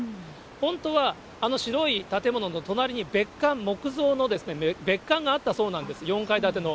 本当はあの白い建物の隣に別館、木造の別館があったそうなんです、４階建ての。